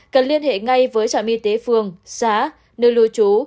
cần liên hệ ngay với trạm y tế phường xá nơi lưu trú